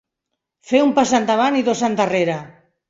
Fer un pas endavant i dos endarrere.